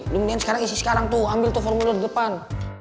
lo mendingan isi sekarang tuh ambil tuh formulir depan